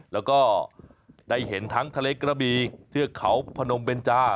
แล้วก็ได้เห็นทั้งทะเลกระบีเทือกเขาพนมเบนจา